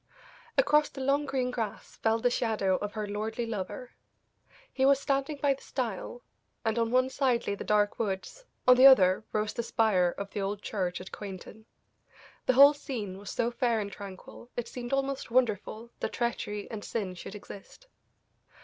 Across the long green grass fell the shadow of her lordly lover. He was standing by the stile, and on one side lay the dark woods, on the other rose the spire of the old church at Quainton. The whole scene was so fair and tranquil, it seemed almost wonderful that treachery and sin should exist.